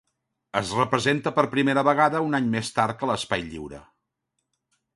Es representa per primera vegada un any més tard que l'Espai Lliure.